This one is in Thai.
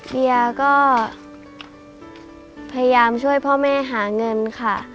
เดียก็พยายามช่วยพ่อแม่หาเงินค่ะ